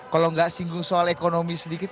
kalau nggak singgung soal ekonomi sedikit